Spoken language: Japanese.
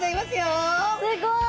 すごい。